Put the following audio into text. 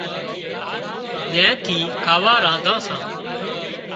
زين ٿِي کاوا رانڌان سان